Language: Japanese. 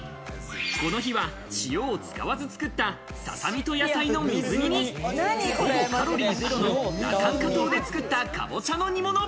この日は塩を使わず作ったささみと野菜の水煮、ほぼカロリーゼロの羅漢果糖で作ったかぼちゃの煮物。